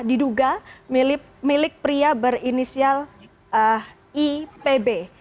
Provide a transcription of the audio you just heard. diduga milik pria berinisial ipb